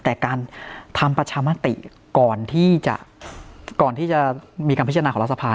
แต่การทำประชามติก่อนที่จะก่อนที่จะมีการพิจารณาของรัฐสภา